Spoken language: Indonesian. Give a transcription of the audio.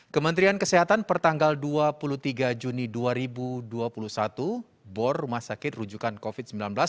kementerian kesehatan pertanggal dua puluh tiga juni dua ribu dua puluh satu bor rumah sakit rujukan covid sembilan belas